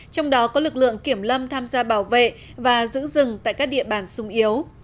trong đó có lực lượng kiểm lâm tham gia bảo vệ và giữ rừng tại các địa bàn sung yếu